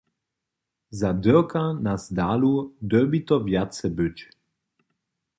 Za Dirka Nasdalu dyrbi to wjace być.